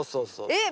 えっ